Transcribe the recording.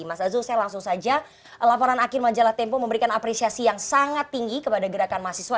mas azul saya langsung saja laporan akhir majalah tempo memberikan apresiasi yang sangat tinggi kepada gerakan mahasiswa